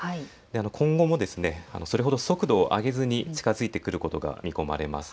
今後もそれほど速度を上げずに近づいてくることが見込まれます。